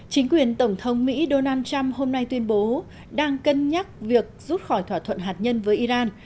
chính quyền tổng thống mỹ donald trump hôm nay tuyên bố đang cân nhắc việc rút khỏi thỏa thuận hạt nhân với iran